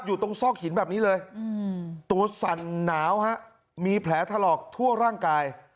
อยู่ตรงซอกหินแบบนี้เลยตัวสั่นหนาวฮะมีแผลถลอกทั่วร่างกาย